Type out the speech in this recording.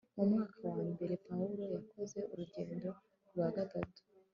mu mwaka wa mbere pawulo yakoze urugendo rwa gatatu